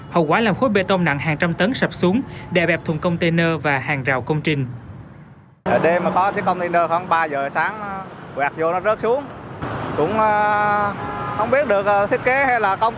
hậu quả làm khối bê tông nặng hàng trăm tấn sập xuống đè bẹp thùng container và hàng rào công trình